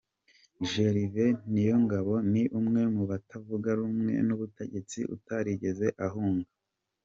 Gervais Niyongabo ni umwe mu batavuga rumwe n’ubutegetsi utarigeze ahunga.